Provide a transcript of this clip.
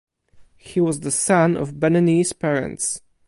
He was the son of Beninese parents.